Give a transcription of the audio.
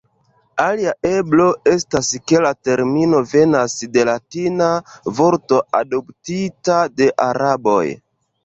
Alia eblo estas ke la termino venas de latina vorto adoptita de araboj.